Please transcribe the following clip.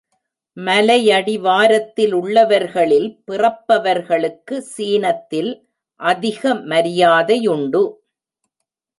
மலையடிவாரத்திலுள்ளவர்களில் பிறப்பவர்களுக்கு சீனத்தில் அதிக மரியாதையுண்டு.